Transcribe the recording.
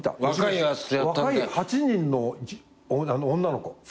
若い８人の女の子。